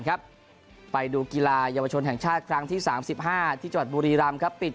ครับไปดูกีฬาเยาวชนแห่งชาติครั้งที่๓๕ที่จังหวัดบุรีรำครับปิด